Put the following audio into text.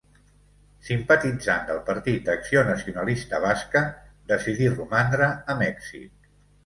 Simpatitzant del partit Acció Nacionalista Basca decidí romandre a Mèxic.